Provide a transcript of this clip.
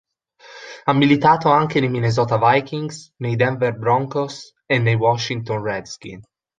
Ha militato anche nei Minnesota Vikings, nei Denver Broncos e negli Washington Redskins.